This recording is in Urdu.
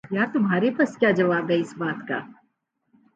یار تمہارے پاس کیا جواب ہے اس بات کا